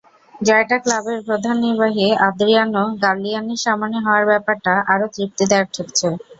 জয়টা ক্লাবের প্রধান নির্বাহী আদ্রিয়ানো গ্যাল্লিয়ানির সামনে হওয়ায় ব্যাপারটা আরও তৃপ্তিদায়ক ঠেকছে।